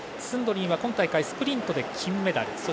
スンドリンは今大会スプリントで金メダル。